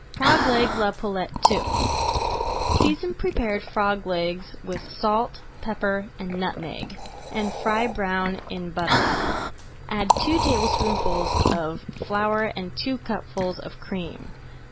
FROG LEGS À LA POULETTE II Season prepared frog legs with salt, pepper, and nutmeg, and fry brown in butter. Add two tablespoonfuls of flour and two cupfuls of cream.